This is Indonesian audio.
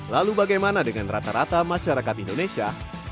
lalu bagaimana dengan rata rata masyarakat indonesia